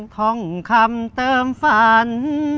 ทองคำเติมฝัน